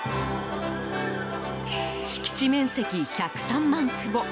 敷地面積１０３万坪。